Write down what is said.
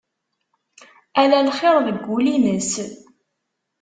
Ala lxir deg wul-ines.